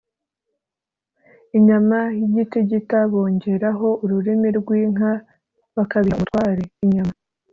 inyama y’igitigita bongeraho ururimi rw’inka bakabiha umutware (inyama